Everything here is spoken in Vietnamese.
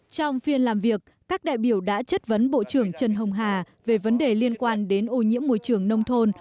trong phiên làm việc các đại biểu đã chất vấn bộ trưởng trần hồng hà về vấn đề liên quan đến ô nhiễm môi trường nông thôn